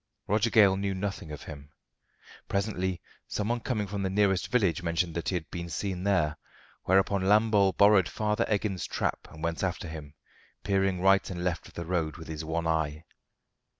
Roger Gale knew nothing of him. Presently someone coming from the nearest village mentioned that he had been seen there; whereupon Lambole borrowed Farmer Eggins's trap and went after him, peering right and left of the road with his one eye.